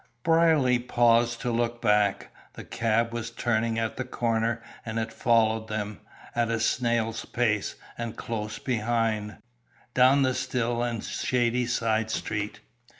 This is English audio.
Brierly paused to look back. The cab was turning at the corner, and it followed them, at a snail's pace, and close behind, down the still and shady side street.